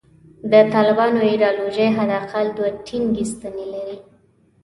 د طالبانو ایدیالوژي حد اقل دوې ټینګې ستنې لري.